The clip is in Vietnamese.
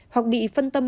hoặc bị phân tâm